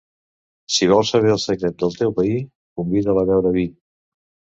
Si vols saber el secret del teu veí, convida'l a beure vi.